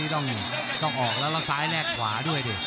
ต้องออกแล้วแล้วซ้ายแลกขวาด้วยดิ